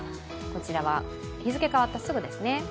こちらは日付変わったすぐですね。